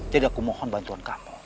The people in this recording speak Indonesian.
jadi aku mohon bantuan kamu